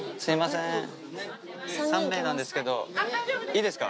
いいですか？